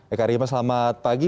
eka arima selamat pagi